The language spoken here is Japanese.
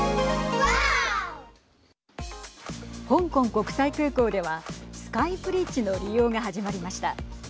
香港国際空港ではスカイブリッジの利用が始まりました。